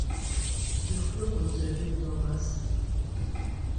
Figure-toi qu'on nous a vus nous embrasser.